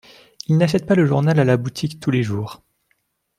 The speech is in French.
Ils n’achètent pas le journal à la boutique tous les jours.